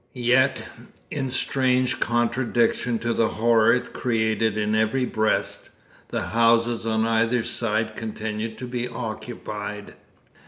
Yet, in strange contradiction to the horror it created in every breast, the houses on either side continued to be occupied.